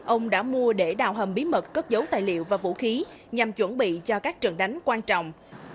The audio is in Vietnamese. ông đã mua để đào hầm bí mật cất dấu tài liệu và vũ khí nhằm chuẩn bị cho các trận đánh quan trọng